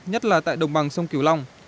nhất là tại đồng bằng sông kiều long